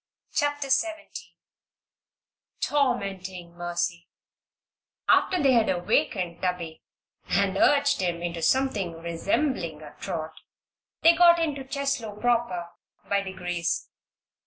CHAPTER XVII TORMENTING MERCY After they had awakened Tubby and urged him into something resembling a trot they got into Cheslow proper by degrees.